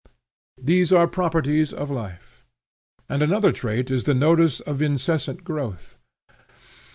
These are properties of life, and another trait is the notice of incessant growth.